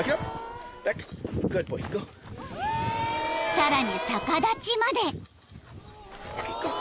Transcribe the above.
［さらに逆立ちまで］